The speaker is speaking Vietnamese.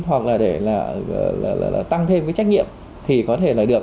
hoặc là để là tăng thêm cái trách nhiệm thì có thể là được